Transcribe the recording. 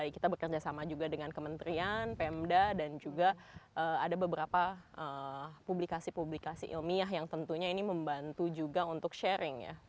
kita bekerja sama juga dengan kementrian pmda dan juga ada beberapa publikasi publikasi ilmiah yang tentunya ini membantu juga untuk sharing ya